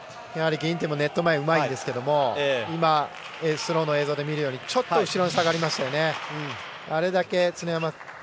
ギンティン＊＊＊ット前うまいん今、スローの映像で見るようにちょっと後ろに下がりましたね。